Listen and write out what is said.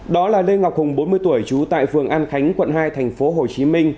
đó là lê ngọc hùng bốn mươi tuổi trú tại phường an khánh quận hai tp hcm